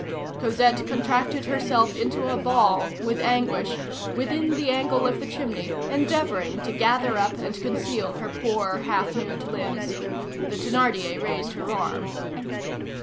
Cosette contracted herself into a ball, with anguish, within the angle of the chimney, endeavoring to gather up and conceal her poor half nude limbs. The Thénardier raised her arm.